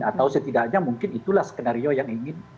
atau setidaknya mungkin itulah skenario yang ingin